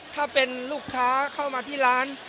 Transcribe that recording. ถ้าเป็นลูกค้าเข้ามาที่ร้าน